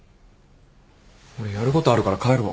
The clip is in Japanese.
俺やることあるから帰るわ。